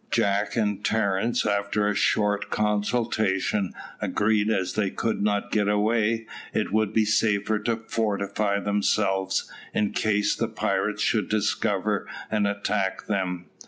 Jack and Terence, after a short consultation, agreed that as they could not get away, it would be safer to fortify themselves, in case the pirates should discover and attack them.